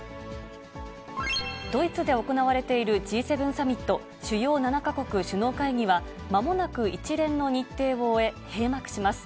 ドイツで行われているＧ７サミット・主要７か国首脳会議は、まもなく一連の日程を終え、閉幕します。